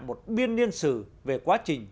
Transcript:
một biên liên xử về quá trình